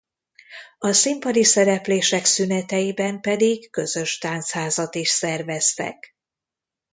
A színpadi szereplések szüneteiben pedig közös táncházat is szerveztek.